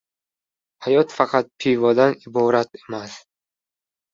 • Hayot faqat pivodan iborat emas.